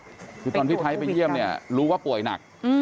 คือตอนพี่ไทท์ไปเยี่ยมรู้ว่าป่วยหนัก